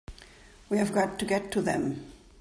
We've got to get to them!